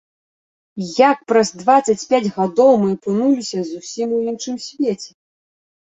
Як праз дваццаць пяць гадоў мы апынуліся зусім у іншым свеце?